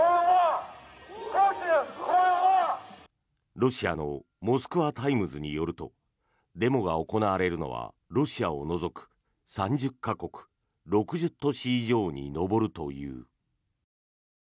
ロシアのモスクワ・タイムズによるとデモが行われるのはロシアを除く３０か国６０都市以上に上るという。